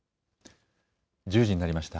１０時になりました。